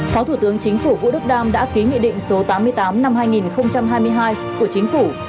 phó thủ tướng chính phủ vũ đức đam đã ký nghị định số tám mươi tám năm hai nghìn hai mươi hai của chính phủ